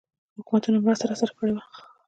حکومتونو مرسته راسره کړې وه.